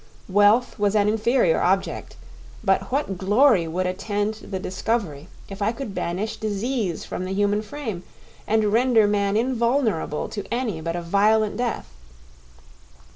Wealth was an inferior object, but what glory would attend the discovery if I could banish disease from the human frame and render man invulnerable to any but a violent death!